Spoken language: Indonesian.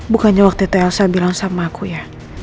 bukannya waktu itu elsa bilang sama aku ya